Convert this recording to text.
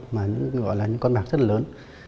mà cũng gọi là những con bạc rất là lớn